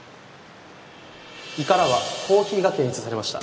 胃からはコーヒーが検出されました。